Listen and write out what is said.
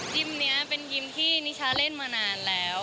ยิ้มนี้เป็นยิ้มที่นิชาเล่นมานานแล้ว